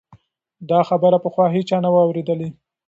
دا خبره پخوا هیچا نه وه اورېدلې.